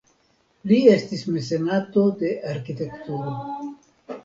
Li estis mecenato de arkitekturo.